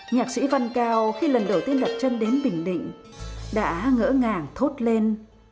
nhạc sĩ văn cao khi lần đầu tiên đặt chân đến bình định đã ngỡ ngàng thốt lên